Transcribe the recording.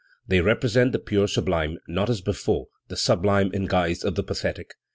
They represent the pure sublime, not, as before, the sublime in guise of the pathetic.